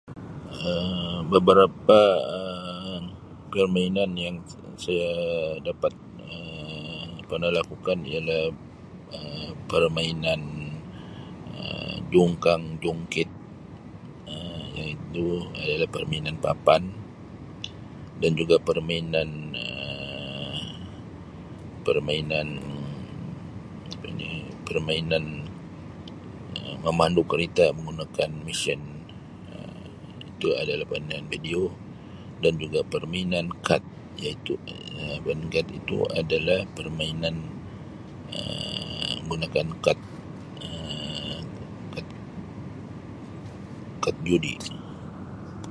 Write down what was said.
Um Beberapa Um permainan yang saya dapat Um pernah lakukan ialah Um permainan Um jongkang-jongket Um iaitu adalah permainan papan dan juga permainan Um permainan apa ni permainan Um memandu kerita menggunakan mesin [unintelligible] yang video dan juga perminan kad iaitu Um perminan kad itu adalah permainan Um menggunakan kad Um kad kad judi.